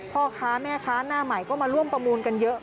พ่อค้าแม่ค้าหน้าใหม่ก็มาร่วมประมูลกันเยอะ